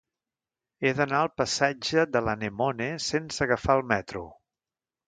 He d'anar al passatge de l'Anemone sense agafar el metro.